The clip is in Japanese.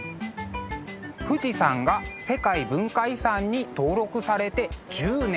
富士山が世界文化遺産に登録されて１０年。